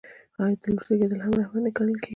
آیا د لور زیږیدل هم رحمت نه ګڼل کیږي؟